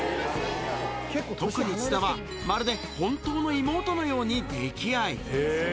特に津田は、まるで本当の妹のように溺愛。